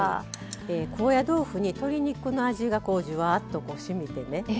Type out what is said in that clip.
高野豆腐に鶏肉の味がじゅわっとしみてね